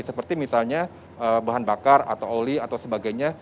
seperti misalnya bahan bakar atau oli atau sebagainya